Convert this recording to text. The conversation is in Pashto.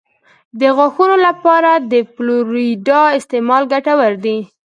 د غاښونو لپاره د فلورایډ استعمال ګټور دی.